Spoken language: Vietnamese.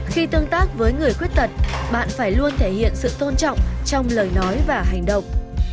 khi tương tác với người khuyết tật bạn phải luôn thể hiện sự tôn trọng trong lời nói và hành động